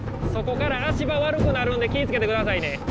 そこから足場悪くなるんで気ぃ付けてくださいね。